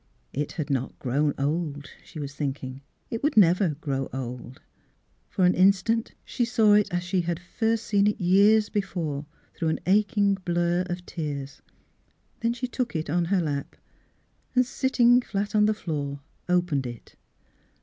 It had not grown old, she was thinking. It would never grow old. For an instant she saw it, as she had first seen it years before, through an aching blur of tears. Then she took it in her lap, and sitting flat on the floor opened it.